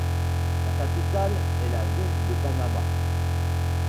Sa capitale est la ville de Panama.